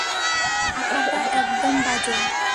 আঁকাটা একদম বাজে।